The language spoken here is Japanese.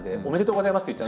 「おめでとうこざいます！」